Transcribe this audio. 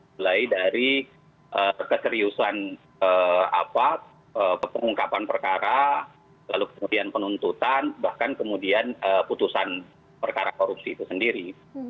mulai dari keseriusan pengungkapan perkara lalu kemudian penuntutan bahkan kemudian putusan perkara korupsi itu sendiri